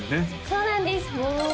そうなんです桃桃